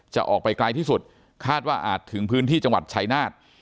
จะออกไปไกลที่สุดคาดว่าอาจถึงพื้นที่จังหวัดชายนาฏ